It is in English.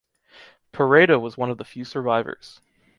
Peredo was one of the few survivors.